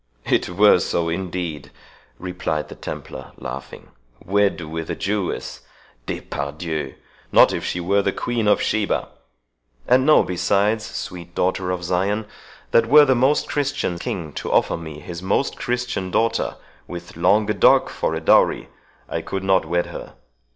"It were so, indeed," replied the Templar, laughing; "wed with a Jewess? 'Despardieux!'—Not if she were the Queen of Sheba! And know, besides, sweet daughter of Zion, that were the most Christian king to offer me his most Christian daughter, with Languedoc for a dowery, I could not wed her.